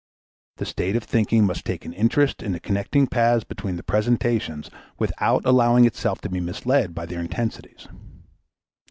The state of thinking must take an interest in the connecting paths between the presentations without allowing itself to be misled by their intensities.